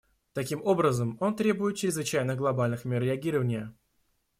Таким образом, он требует чрезвычайных глобальных мер реагирования.